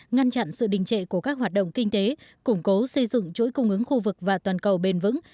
ngăn chặn sự đình trệ của các hoạt động kinh tế củng cố xây dựng chuỗi cung ứng khu vực và toàn cầu bền vững